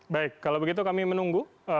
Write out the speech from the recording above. baik kalau begitu kami menunggu